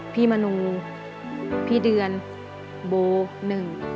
มนูพี่เดือนโบหนึ่ง